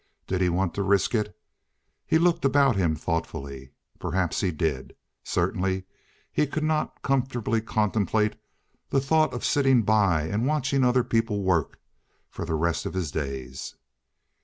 Did he want to risk it? He looked about him thoughtfully. Perhaps he did. Certainly he could not comfortably contemplate the thought of sitting by and watching other people work for the rest of his days.